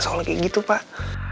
soalnya kayak gitu pak